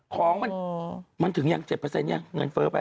ของมันมันถึงยัง๗เปอร์เซ็นต์ยังเงินเฟ้อไป